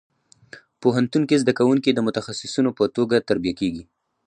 پوهنتون کې زده کوونکي د متخصصینو په توګه تربیه کېږي.